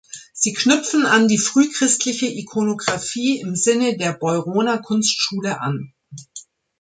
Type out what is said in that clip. Sie knüpfen an die frühchristliche Ikonografie im Sinne der Beuroner Kunstschule an.